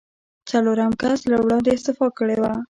څلورم کس له وړاندې استعفا کړې وه.